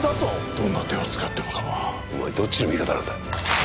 どんな手を使ってもかまわんお前どっちの味方なんだ？